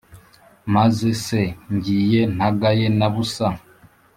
Maze se ngiye ntagaye na busa